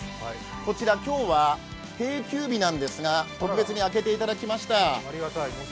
こちら、今日は定休日なんですが特別に開けていただきました。